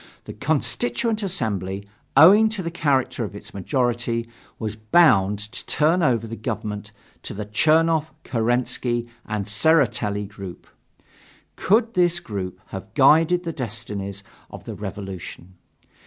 The Constituent Assembly, owing to the character of its majority, was bound to turn over the government to the Chernov, Kerensky and Tseretelli group. Could this group have guided the destinies of the Revolution?